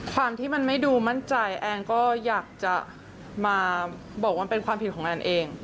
ความที่มันไม่ดูมั่นใจแอนก็อยากจะมาบอกว่ามันเป็นความผิดของแอนเอง